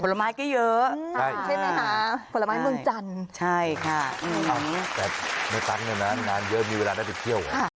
ผลไม้ก็เยอะใช่ไหมคะผลไม้เมืองจันทร์ใช่ค่ะแต่ในตังค์เนี่ยนะงานเยอะมีเวลาได้ไปเที่ยว